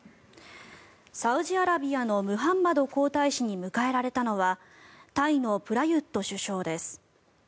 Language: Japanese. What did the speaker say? サウジアラビアのムハンマド皇太子に迎えられたのはタイのプラユット首相です。